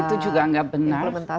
itu juga nggak benar